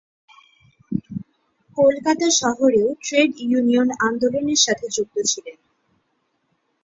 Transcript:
কলকাতা শহরেও trade union আন্দোলনের সাথে যুক্ত ছিলেন।